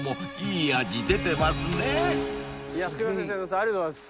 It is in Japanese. ありがとうございます。